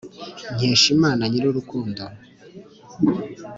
nkesha imana nyir' urukundo